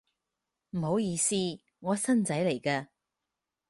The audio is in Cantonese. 唔好意思，我新仔嚟嘅